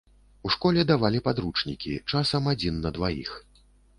У школе давалі падручнікі, часам, адзін на дваіх.